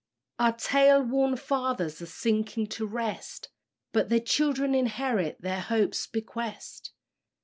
Our toilworn fathers are sinking to rest; But their children inherit their hope's bequest.